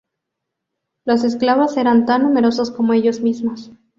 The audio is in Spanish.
los esclavos eran tan numerosos como ellos mismos